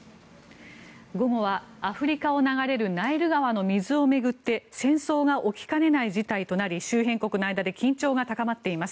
午後はアフリカを流れるナイル川の水を巡って戦争が起きかねない事態となり周辺国の間で緊張が高まっています。